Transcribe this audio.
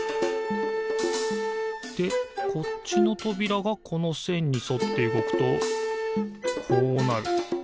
でこっちのとびらがこのせんにそってうごくとこうなる。